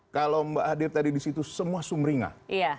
kalau mbak hadir tadi di situ semua sumringah